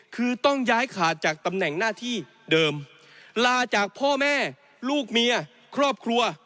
คือต้องย้ายขาดจากตำแหน่งหน้าที่เดิมลาจากพ่อแม่ลูกเมียครอบครัว